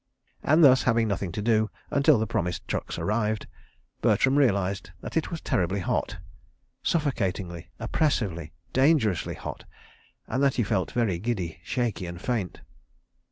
And thus, having nothing to do until the promised trucks arrived, Bertram realised that it was terribly hot; suffocatingly, oppressively, dangerously hot; and that he felt very giddy, shaky and faint.